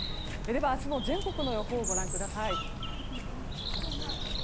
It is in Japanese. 明日の全国の予報ご覧ください。